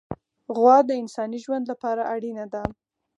غوا د انساني ژوند لپاره اړینه ده.